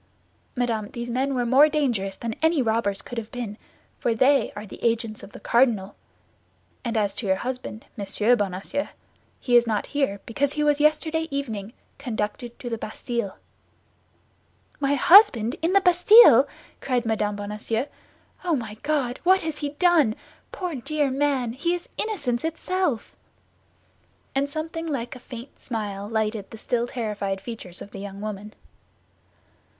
"Madame, those men were more dangerous than any robbers could have been, for they are the agents of the cardinal; and as to your husband, Monsieur Bonacieux, he is not here because he was yesterday evening conducted to the Bastille." "My husband in the Bastille!" cried Mme. Bonacieux. "Oh, my God! What has he done? Poor dear man, he is innocence itself!" And something like a faint smile lighted the still terrified features of the young woman.